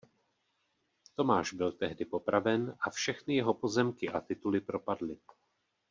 Tomáš byl tedy popraven a všechny jeho pozemky a tituly propadly.